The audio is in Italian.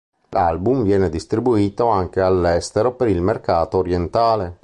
L'album viene distribuito anche all'estero per il mercato orientale.